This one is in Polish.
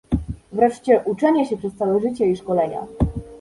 Wreszcie uczenie się przez całe życie i szkolenia